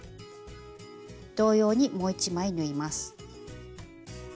同様にもう１枚縫います。